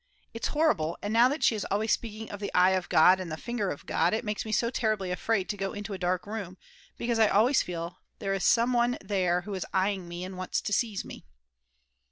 It's horrible, and now that she is always speaking of the eye of God and the finger of God it makes me so terribly afraid to go into a dark room, because I always feel there is some one there who is eying me and wants to seize me.